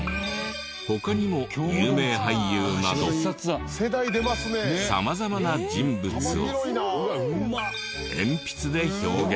他にも有名俳優など様々な人物をエンピツで表現。